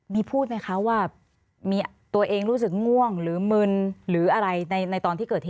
มีพูดไหมคะว่าตัวเองรู้สึกง่วงหรือมึนหรืออะไรในตอนที่เกิดเหตุ